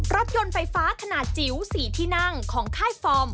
รถยนต์ไฟฟ้าขนาดจิ๋ว๔ที่นั่งของค่ายฟอร์ม